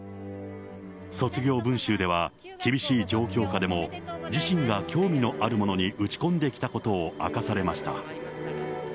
卒業文集では、厳しい状況下でも、自身が興味のあるものに打ち込んできたことを明かされました。